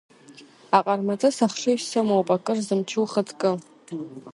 Аҟармаҵыс ахшыҩ сымоуп, акыр зымчу ухаҵкы!